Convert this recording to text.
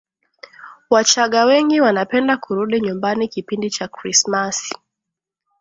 wachagga wengi wanapenda kurudi nyumbani kipindi cha krismasi